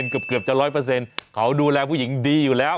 เกือบจะ๑๐๐เขาดูแลผู้หญิงดีอยู่แล้ว